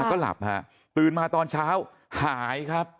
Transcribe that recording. ก็หลับฮะตื่นมาตอนเช้าหายครับ